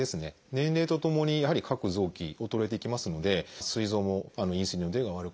年齢とともにやはり各臓器衰えていきますのですい臓もインスリンの出が悪くなる。